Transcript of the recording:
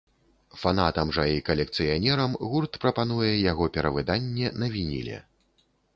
Фанатам жа і калекцыянерам гурт прапануе яго перавыданне на вініле.